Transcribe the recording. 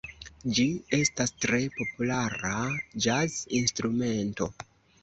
Ĝi estas tre populara ĵaz-instrumento.